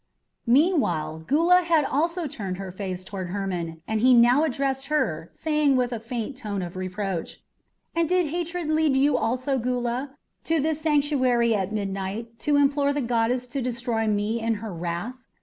Meanwhile Gula had also turned her face toward Hermon, and he now addressed her, saying with a faint tone of reproach: "And did hatred lead you also, Gula, to this sanctuary at midnight to implore the goddess to destroy me in her wrath?"